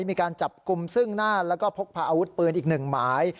มีการจับกลุ่มซึ่งหน้าแล้วก็พกพาอาวุธปืนอีกหนึ่งหมาย